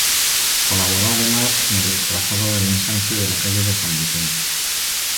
Colaboró además en el trazado del ensanche de la calle de san Vicente.